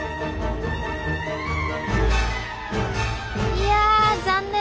いや残念。